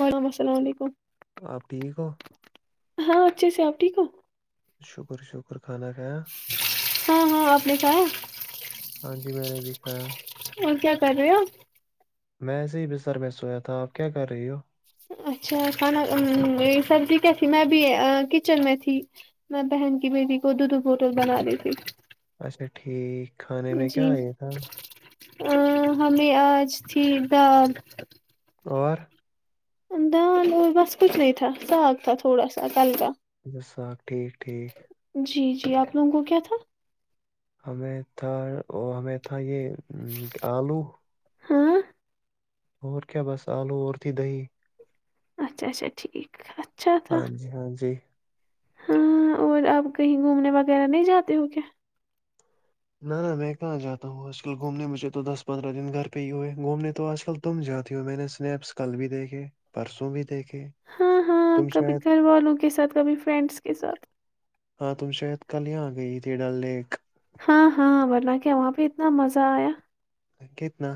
وعلم السلام علیکم آپ ٹھیک ہو ہاں اچھے سے آپ ٹھیک ہو شکر شکر کھانا کھایا ہاں ہاں اپ نے کھایا ہاں جی میں نے بھی کہا اور کیا کر رہے ہو میں ایسے ہی بسر میں سویا تھا آپ کیا کر رہی ہو اچھا میری سر جی کیسی میں ابھی کچن میں تھی میں بہن کی بیٹی کو دودھ بوتل بنا رہی تھی اچھا ٹھیک کھانے میں جی کیا یہ تھا ہمیں اج تھی دعوت اور دال اور بس کچھ نہیں تھا ساگ تھا تھوڑا سا کل کا اچھا ساخ [inaudible] ٹھیک ٹھیک جی جی آپ لوگوں کو کیا تھا ہمیں تھا ہمیں تھا یہ آلو ہاں اور کیا بس آلو اور تھی دہی اچھا اچھا ٹھیک اچھ ہاں جی ہاں جی ہاں اور اپ کہیں گھومنے وغیرہ نہیں جاتے ہو کیا نہ نہ میں کہاں جاتا ہوں آج کل گھومنے مجھے تو دس پندرہ دن گھر پہ ہی ہوئے گھومنے تو آج کل تم جاتی ہو میں نے سنیپس کل بھی دیکھے پرسوں بھی دیکھے ہاں ہاں تم کبھی شاید گھر والوں کے ساتھ کبھی فرینڈس کے ساتھ ہاں تم شاید کل یہاں آ گئی تھی ڈل لیک ہاں ہاں ورن کیا وہاں پہ اتنا مزہ آیا گتنا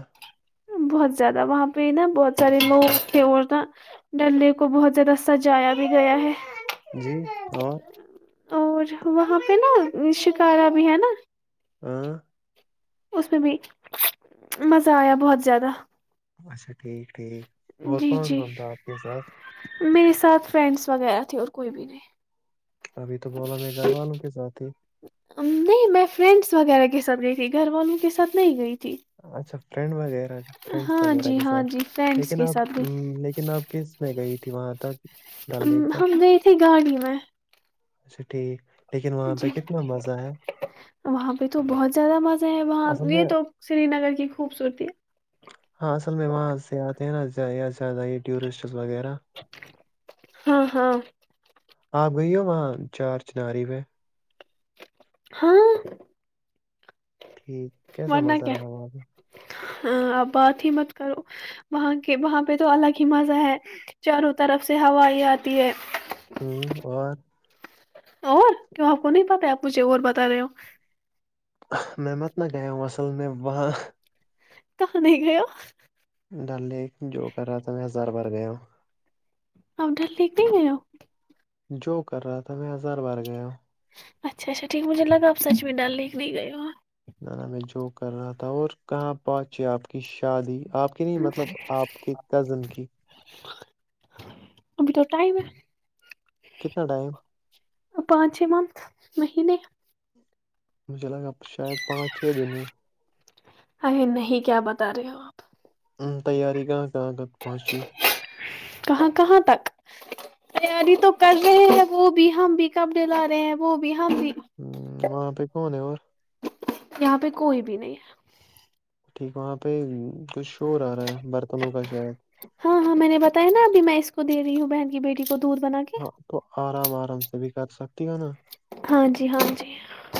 بہت زیادہ وہاں پہ نا بہت سارے لوگے اور نا ڈل لیک کو بہت زیادہ سجایا بھی گیا ہے جی اور اور وہاں پہ نا شکارا بھی ہے نا ہ اس میں بھی مزہ آیا بہت زیادہ اچھا ٹھیک ہے جٹھیک اور جی کون جی کون تھا آپ کے ساتھ میرے ساتھ فرینڈس وغیرہ تھے اور کوئی بھی نہیں ابھی تو بولا میں گھر والوں کے ساتھ ہی نہیں میں فرینڈس وغیرہ کے ساتھ گئی تھی گھر والوں کے ساتھ نہیں گئی تھی اچھا فرینڈ وغیرہ فرینڈس ہاں وغیرہ جی کے ہاں ساتھ جی فرینڈس لیکن کے آپ ساتھ گئی لیکن آپ کے میں گئی تھی وہاں تک ڈل لیک تک ہم گئے تھے گاڑی میں اچھا ٹھیک لیکن وہاں پہ جی کتنا مزہ ہے وہاں پہ تو بہت زیادہ مزہ ہے وہاں اصل یہ میں تو سری نگر کی خوبصورتی سد ٹورسٹ وغیرہ ہاں ہاں آپ گئی ہو وہاں چار چناری پ ہاں ٹھیک کیسا ورنہ مزہ کیا رہا وہاں پہ ہ اب بات ہی میں کرو وہاں کے وہاں پہ تو الگ ہی مزہ ہے چاروں طرف سے ہوائ آتی ہے ہوں اور اور کیوں آپ کو نہیں پتا آپ مجھے اور بتا رہے ہو میں مت نہ گیا ہوں اصل میں وہاں کہ نہیں گیا ڈل لیک جو کر رہا تھا میں ہزار بار گیا ہوں آپ ڈر لکھ بھی گ ہو جو کر رہا تھا میں ہزار بار گیا ہوں اچھا اچھا ٹھیک مجھے لگ آپ سچین ڈال لییک نہیں گئے ہو وہاں نانا میں جو کر رہا تھا اور کہاں پہنچے آپ کی شادی آپ کی نہیں مطلب آپ کے کزن کی ابھی تو ٹائم ہے کتنا ٹائم پانچ چ منتھ مہینے مجھے لگا شاید پانچ چھ دن ہیں ارے نہیں کیا بتا رہے ہو آپ تیاری کا اں گت پہنچی کہاں کہاں تک تیاری تو کر رہے ہیں وہ بھی ہم بھی کپ ڈلا رہے ہیں وہ بھی ہم بھی ہ وہاں پہ کوومنے اور یہاں پہ کوئی بھی نہیں ہے ٹھیک وہاں پہ کچھ شور آ رہا ہے برتنوں کا شاید ہاں ہاں میں نے بتایا نا ابھی میں اس کو دے رہی ہوں بہن کی بیٹی کو دودھ بنا کے ہاں تو آرام آر آرام سے بھی کر سکتے نا ہاں جی ہاں جی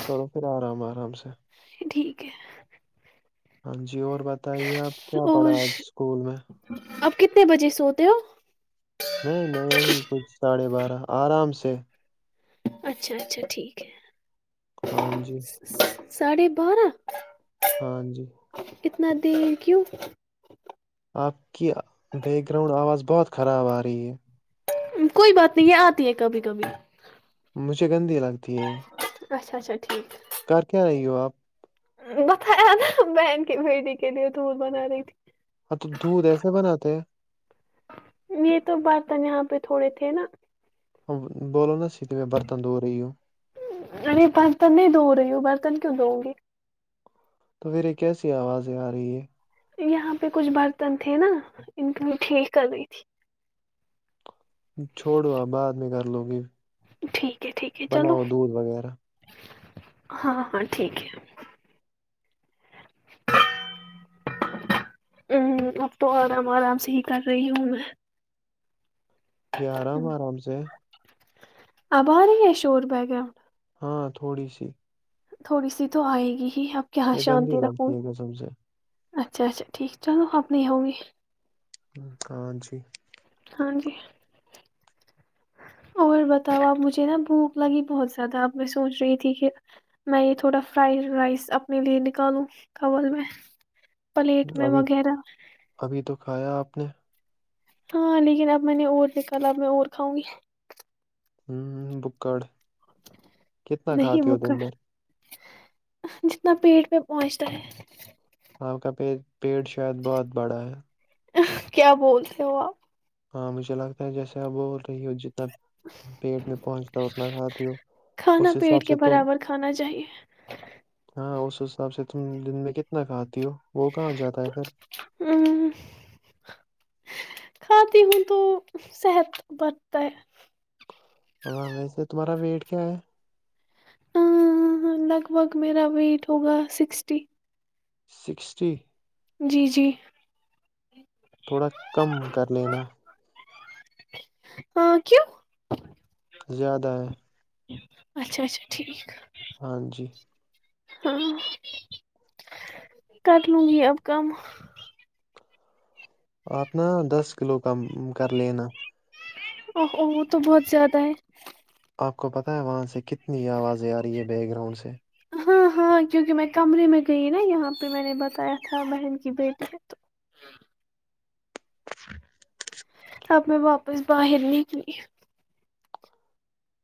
کرو پھر آرام آ آرام سے ٹھیک ہے ہاں جی جی اور بتائیے اب کیا پڑھا آج اسکول میں اب کتنے بجے سوتے ہو نہیں میں یہی کچھ ساڑھے بارہ آرام سے اچھا اچھا ٹھیک ہے ہاں جی ساھے بارہ ہاں جی اتنا دیر کیوں آ کہہ بییک گرؤنڈ آواز بہت خراب آ رہ یہ کوئی بات نہیں ہے آتی ہے کبھی کبھی مجھے گندی لگتی ہے اچا اچا ٹھیک کر کیا رہی ہو آپ بتایا نا بہن کی بیٹی کے لیے دھول بنا رہی تھی ہاں تو دودھ ایسے بناتے ہیں یہ تو برتن یہاں پہ تھوڑے تھے نا بولو نا سیدھے میں برتن دھو رہی ہوں ارے برتن نہیں دھ رہی ہ برتن کیوں د گی تو پھر یہ کیسی آوازیں آ رہی ہے یہاں پہ کچھ برتن تھے نا ان کی وہ ٹھیک کر رہی تھی چھوڑو آ بعد میں کر لو گے ٹھیک ہے ٹھیک ہے چلو بناؤ دودھ وغیرہ ہاں ہاں ٹھیک ہے ا اب تو آرام آرام سے ہی کر رہی ہوں میں یہ آرام آرام سے اب آ رہی ہے شور بیگا [unintelligible] ہاں تھوڑی سی [unintelligible] تھوڑی سی تو آئے گی [unintelligible] یہ گندی شانتی لگتی رکھوں ہے کہ سم سے [unintelligible] اچھا اچھا ٹھیک چلو آنی ہوؤ گی [unintelligible] کانچی [unintelligible] ہاں جی [unintelligible] اور بتاؤ آپ مجھے نا بھوک لگی بہت زیادہ اب میں سوچ رہی تھی کہ میں یہ تھوڑا فرائیڈ رائس اپنے لیے نکالوں کل میں [unintelligible] پلیٹ میں وغیرہ [unintelligible] اپنے [unintelligible] ہاں لیکن اب میں نے اور دیکھا تھا اب میں اور کھاؤں گی [unintelligible] ہ بکڑ [unintelligible] کتنا کہھاتی نہیں ہو بک دن بھر [unintelligible] جتنا پیٹ پہ پہنچتا ہے [unintelligible] آپ کا پ پیٹ شاید بہت بڑا ہے [unintelligible] کیا بولتے ہو آپ [unintelligible] ہاں مجھے لگتا ہے جیسے آپ بول رہی ہو جت [unintelligible] پیٹ میں پہنچتا اتنا ہاتات ہو کھانا اس حساب پیٹ کے سے تم برابر کھانا چاہیے ہاں اس [unintelligible] اس حساب سے تم دن میں کتنا کہ آتی ہو [unintelligible] وہ کہاں جاتا ہے پھر [unintelligible] ہ کھاتی ہوں تو صحت بڑتا ہے [unintelligible] ہ وی سے تمہارا ویٹ کیا ہے [unintelligible] ہ ہ لگ بھگ میرا ویٹ ہوگا سکسٹی [unintelligible] سکسٹی [unintelligible] جی جی [unintelligible] تھوڑا کم کر لینا ہاں کیوں [unintelligible] [unintelligible] زیادہ ہیں [unintelligible] اچھا اچھا ٹھیک [unintelligible] ہاں جی [unintelligible] ہاں کر لوں گی اب کم [unintelligible] آپنا دس کلو [unintelligible] کم کر لےینا [unintelligible] اوو وہ تو بہت زیادہ ہے [unintelligible] آپ کو پتا ہے وہاں سے کتنی آوازیں آ رہی ہے بیک گراؤنڈ سے [unintelligible] ہاں ہاں کیونکہ میں کمرے میں گئی نا یہاں پہ میں نے بتایا تھا بہن کی بیٹی تو [unintelligible] [inaudible] [unintelligible] اب میں واپس باہر نکلی [unintelligible]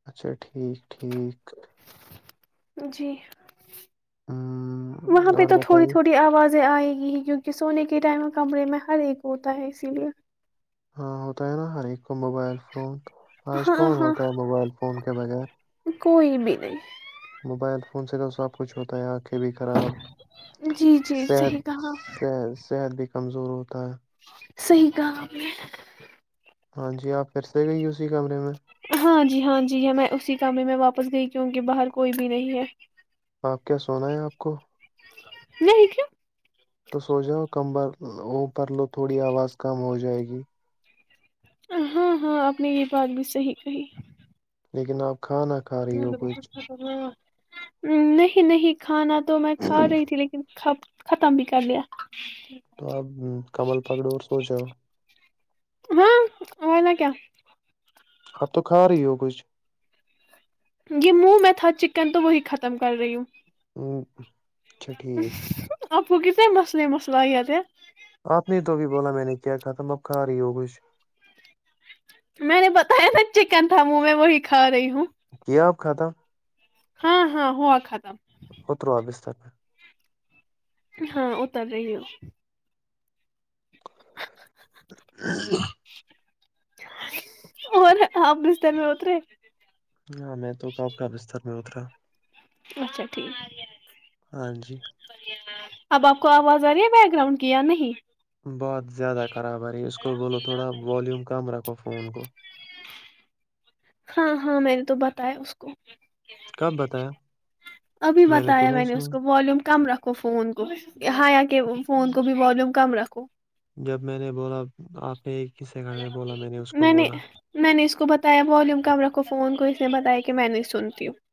اچھا ٹھیک ٹھیک [unintelligible] جی [unintelligible] وہاں ہم، پہ تو اور تھوڑی بتائیے تھوڑی آواز [unintelligible] آئے گی ہی کیونکہ سونے کے ٹائم کمرے میں ہر ایک ہوتا ہے اسی لیے ہاں ہوتا ہے نا ہر ایک کو موبائل فون آج ہاں کون ہاں ہوتا ہے موبائل فون کے بغیر کوئی بھی نہیں موبائل فون سے تو سب کچھ ہوتا ہے آنکھیں بھی خراب جی جی صحت صحیح کہا صحت صحت بھی کمزور ہوتا ہے صحیح کام ہے ہاں جی آپ پھر سے گئیے اسی کمرے میں ہاں جی ہاں جی ہے میں اسی کامر میں واپس گئی کیوںکہ باہر کوئی بھی نہیں ہے آپ کیا سونا ہے آپ کو نہیں ا کیا تو سوچاؤ کمبر ا پرر لو تھوڑی آواز کم ہو جائے گی ہاں ہاں آپ نے یہ بات بھی صحیح کہی لیکن آپ کھانہ کاری وگچ نہیں نہیں کھانا تو تو میں کھا رہی تھی لیکن خ ختم بھی کر لیا تو اپ کمل پکڑو اور سو جاؤ ہاں ورنہ کیا اب تو کھا رہی ہو کچھ یہ منہ میں تھا چکن تو وہی ختم کر رہی ہوں تو اچھا ٹھیک وہ یہیتۂ مسلے مسئلہ تے آپ نہیں تو بھی بولا میں نے کیا کہا تم اب کھا رہی ہو کچھ میں نے بتایا نا چکن تھا منہ میں وہی کھا رہی ہوں کیا آپ کھاتا ہاں ہاں ہوا ختم اتروا بستر پہ ہاں اتر رہی ہ اور آپ رشتےر میں اترے ہاں میں تو کاپ کا بستر موترا اچھا ٹھیک ہاں جی اب آپ کو آواز آ رہی ہے بیک گراؤنڈ کی یا نہیں بہت زیادہ خراب ہے رہی ہے اس کو بولو تھوڑا والیوم کم رکھو فون کو ہاں ہاں میں نے تو بتایا اس کو کب بتایا ابھی تو بتایا نہیں میں نے سنا اس کو والیوم کم رکھو فون کو ہیا کے فون کو بھی والیوم کم رکھو کو [inaudible] جب میں نے بولا آپ نے ایک [unintelligible] کسے گھر میں بولا میں نے اس کو بولا میں نے [unintelligible] اس کو بتایا والیوم کم رکھو فون کو اس نے بتایا کہ میں نہیں سنتی ہوں [unintelligible]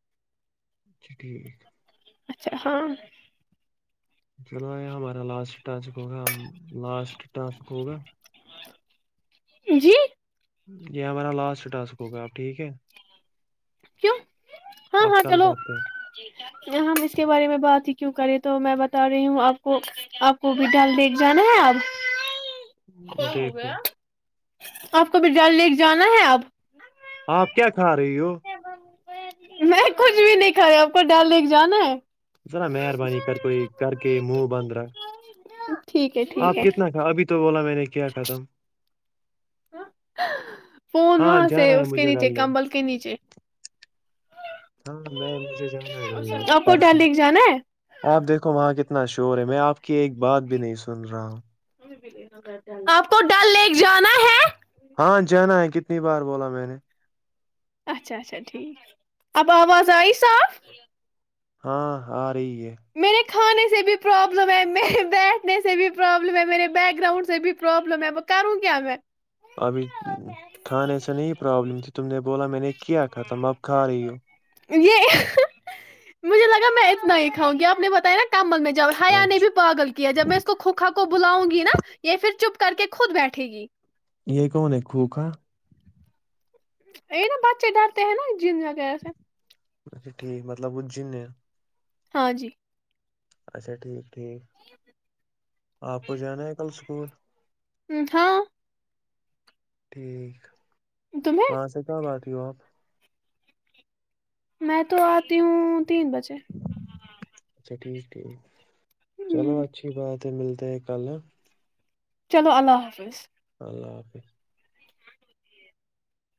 اچھا ٹھیک [unintelligible] اچھا ہاں چلو یہ ہمارا لاسٹ ٹانچک ہوگا ہم لاسٹ ٹانچک ہوگا [unintelligible] جی [unintelligible] یہ ہمارا لاسٹ ٹاسک ہوگا آپ ٹھیک ہے [unintelligible] کیوں [unintelligible] ہاں آپ ہاں کل چلو کرتے ہیں [unintelligible] ہم اس کے بارے میں بات ہی کیوں کریں تو میں بتا رہی ہوں آپ کو آپ کو بھی ڈل دیکھ جانا ہے آب [unintelligible] دیکھو [unintelligible] آپ کوبھی ڈل لیک جانا ہے اب [unintelligible] آپ کیا [unintelligible] ک رہے ہو [unintelligible] میں کچھ بھی نہیں کھا آپ کو ڈل لیک جانا ہے [unintelligible] ذرا مہربانی کر کوئی کر کے م [unintelligible] [inaudible] ج [unintelligible] ٹھیک ہے ٹھیک آپ ہے کتنا [unintelligible] کھا ابھی تو بولا میں نے کیا ختم [unintelligible] ہ [unintelligible] ہاں جانا ہے مجھے ڈل لے نیچے ہاں میں مجھے جانا ہے ڈل ل آپ کو ڈل پرسوں لیک جانا ہے آپ دیکھو وہاں ک [unintelligible] اتنا شور ہے میں آپ کی ایک بات بھی نہیں سن رہا ہوں [unintelligible] آپ کو ڈل لیک جانا ہے [unintelligible] ہاں جانا ہے کتنی بار بولا میں نے [unintelligible] اچھا اچھا ٹھیک آپ آواز آئیے صاف [unintelligible] ہاں ہاں [unintelligible] رہی ہے [unintelligible] میرے کھانے سے بھی پرابلم ہے میر بیٹھنے سے بھی پرابلم ہے میرے بیک گراؤنڈ سے بھی پرابلم ہے ب کروں کیا میں [unintelligible] ابھی کھانے سے نہیں پرابلم تھی تم نے بولا میں نے کیا کھ تھام اب کھا رہی ہو [unintelligible] یہ مجھے لگا میں اتنا ہی کھاؤں گی آپ نے بتایا نا [unintelligible] امل میں جا ہیا نے اچھا بھی پاگل کیا جب میں اس کو کوکھا کو کو بلاؤں گی نا یہ پھر چپ کر کے خود بیٹھے گی [unintelligible] یہ کون ہے کوک [unintelligible] یہ نا بچے ڈرتے ہیں نا جن وگیر ہ سے [unintelligible] اچھا ٹھیک مطلب وہ جن ہے [unintelligible] ہاں جی [unintelligible] اچھا ٹھیک ٹھیک آپ کو جانا ہے کل [unintelligible] ہ ہاں ٹھیک تمہیں وہاں سے کیا بات ہے [inaudible] میں تو آتی ہوں تین بجے اچھا ٹھیک ٹھیک چلو ہم، اچھی بات ملتے ہے کل چلو اللہ حافظ